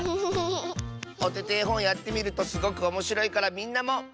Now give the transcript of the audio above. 「おててえほん」やってみるとすごくおもしろいからみんなも。